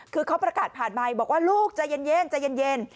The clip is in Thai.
คือเขาประกาศผ่านไมค์บอกว่าลูกใจเย็นใจเย็น